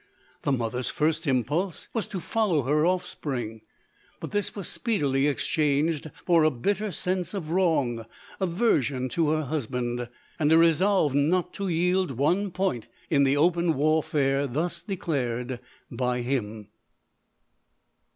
The mother's first impulse was to LODORE. i5 l .) follow her offspring ; but this was speedily ex changed for a bitter sense of wrong, aversion to her husband, and a resolve not to yield one point, in the open warfare thus declared by him.